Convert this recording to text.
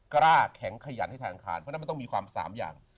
กล้าแข็งขยันให้ทางอังคารเพราะฉะนั้นมันต้องมีความสามอย่าง